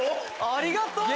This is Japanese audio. ありがとう！